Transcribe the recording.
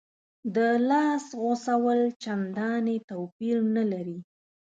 د لاس غوڅول چندانې توپیر نه لري.